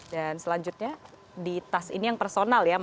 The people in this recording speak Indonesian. dan selanjutnya di tas ini yang personal ya mas